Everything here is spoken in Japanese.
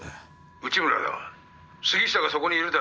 「内村だ。